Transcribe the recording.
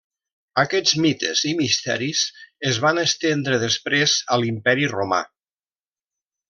Aquests mites i misteris es van estendre després a l'Imperi romà.